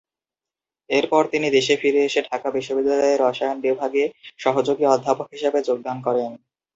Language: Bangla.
এরপর তিনি দেশে ফিরে এসে ঢাকা বিশ্ববিদ্যালয়ে রসায়ন বিভাগে সহযোগী অধ্যাপক হিসেবে যোগদান করেন।